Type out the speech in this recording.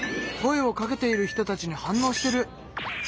声をかけている人たちに反応してる！